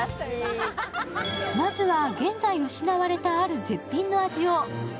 まずは現在失われたある絶品の味を。